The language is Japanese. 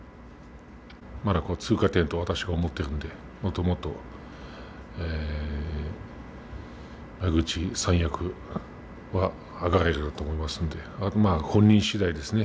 まだ通過点と私は思っているのでもっともっと三役、上がれると思いますので本人しだいですね。